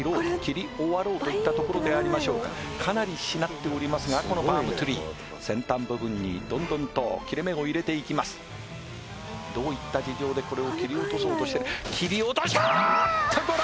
切り終わろうといったところでありましょうかかなりしなっておりますがこのパームツリー先端部分にどんどんと切れ目を入れていきますどういった事情でこれを切り落とそうとして切り落としたあっと！